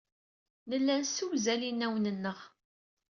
Nella nessewzal inawen-nneɣ.